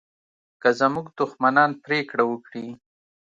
که زموږ دښمنان پرېکړه وکړي